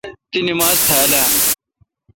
تی نماز تھال اہ؟